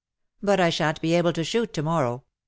" But I shan^t be able to shoot to morrow.